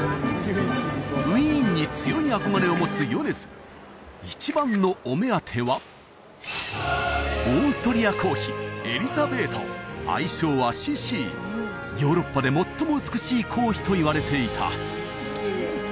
ウィーンに強い憧れを持つ米津一番のお目当てはオーストリア皇妃エリザベート愛称はシシィヨーロッパで最も美しい皇妃といわれていた